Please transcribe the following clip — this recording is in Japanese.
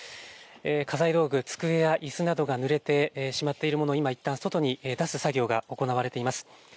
家財道具、机やいすなどがぬれてしまっているもの、今、いったん外に出す作業が行われています。